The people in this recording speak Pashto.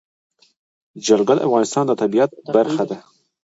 جلګه د افغانستان د طبیعت برخه ده.